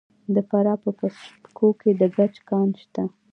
د فراه په پشت کوه کې د ګچ کان شته.